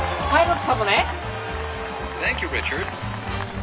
はい。